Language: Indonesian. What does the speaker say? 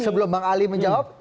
sebelum bang ali menjawab